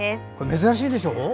珍しいんでしょ？